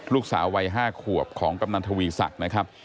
ลูกสาววัย๕ขวบของกำนันทวีศักดิ์นะครับ